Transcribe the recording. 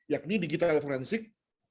yakni digital forensik